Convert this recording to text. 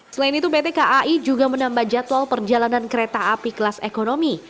selain itu pt kai juga menambah jadwal perjalanan kereta api kelas ekonomi